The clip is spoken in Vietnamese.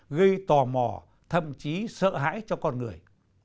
gây tò mò thậm chí sợ hãi cho con người